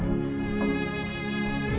aku mau masuk kamar ya